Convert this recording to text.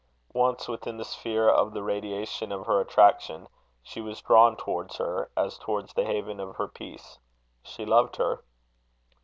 Once within the sphere of the radiation of her attraction, she was drawn towards her, as towards the haven of her peace: she loved her.